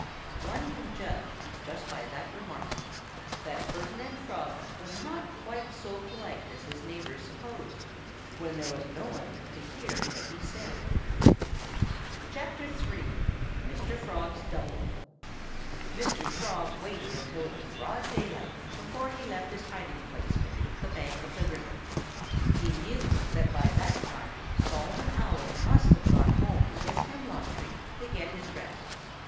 One can judge, just by that remark, that Ferdinand Frog was not quite so polite as his neighbors supposed when there was no one to hear what he said. III MR. FROG'S DOUBLE Mr. Frog waited until it was broad daylight before he left his hiding place beneath the bank of the river. He knew that by that time Solomon Owl must have gone home to his hemlock tree to get his rest.